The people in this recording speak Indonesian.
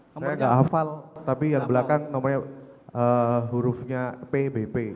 saya gak hafal tapi yang belakang nomornya hurufnya p b p